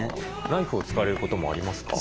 ナイフを使われることもありますか？